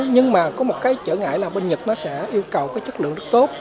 nhưng mà có một cái trở ngại là bên nhật nó sẽ yêu cầu chất lượng rất tốt